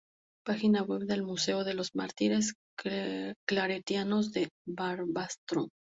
Página web del Museo de los Mártires Claretianos de Barbastro